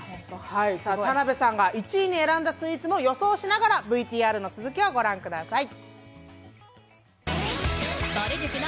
田辺さんが１位に選んだスイーツを予想しながらＶＴＲの続きを御覧ください。